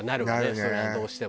それはどうしても。